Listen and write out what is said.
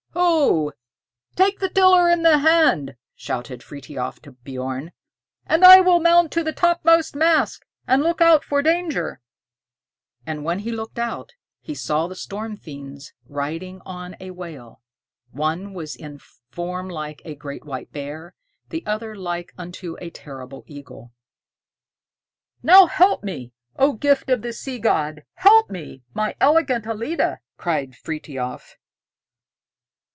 "Ho! take the tiller in hand," shouted Frithiof to Bjorn. "and I will mount to the topmost mast and look out for danger'" And when he looked out, he saw the storm fiends riding on a whale. One was in form like to a great white bear, the other like unto a terrible eagle. "Now help me, O gift of the sea god! Help me, my gallant 'Ellide'!" cried Frithiof.